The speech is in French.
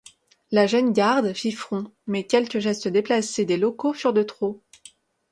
La jeune garde fit front mais quelques gestes déplacés des locaux furent de trop...